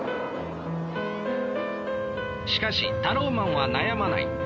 しかしタローマンは悩まない。